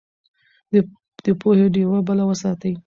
د پوهې ډيوه بله وساتئ.